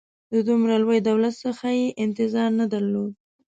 د دومره لوی دولت څخه یې انتظار نه درلود.